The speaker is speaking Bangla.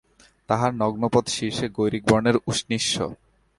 তাঁহার নগ্ন পদ, শীর্ষে গৈরিকবর্ণের উষ্ণীষ।